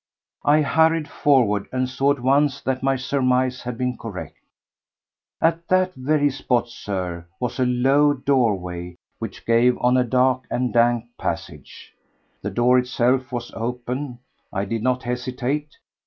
I hurried forward and saw at once that my surmise had been correct. At that very spot, Sir, there was a low doorway which gave on a dark and dank passage. The door itself was open. I did not hesitate.